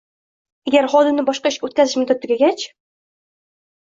Agar xodimni boshqa ishga o‘tkazish muddati tugagach